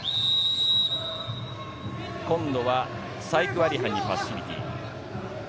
今度はサイリク・ワリハンにパッシビティ。